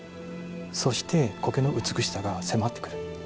そして、苔の美しさが迫ってくる。